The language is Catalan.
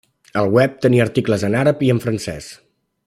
El web tenia articles en àrab i en francès.